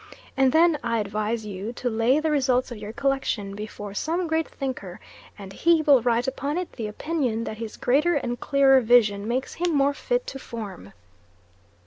And then I advise you to lay the results of your collection before some great thinker and he will write upon it the opinion that his greater and clearer vision makes him more fit to form.